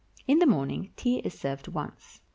In the morning tea is served once.